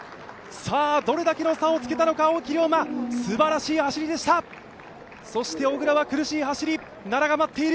どれだけの差をつけたのか、青木涼真すばらしい走りでした、そして小椋は苦しい走り、奈良が待っている。